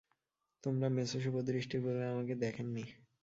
তোমার মেসো শুভদৃষ্টির পূর্বে আমাকে দেখেন নি।